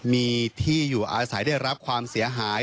มีที่อยู่อาศัยได้รับความเสียหาย